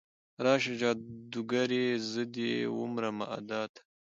راشه جادوګرې، زه دې ومرمه ادا ته